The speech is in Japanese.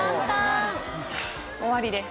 終わりです。